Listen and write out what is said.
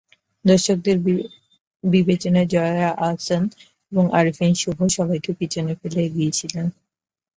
দর্শকদের বিবেচনায় জয়া আহসান এবং আরিফিন শুভ সবাইকে পেছনে ফেলে এগিয়ে ছিলেন।